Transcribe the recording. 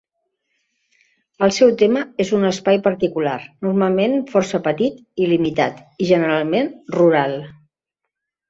El seu tema és un espai particular, normalment força petit i limitat i, generalment, rural.